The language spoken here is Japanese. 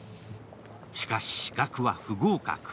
しかし、ガクは不合格。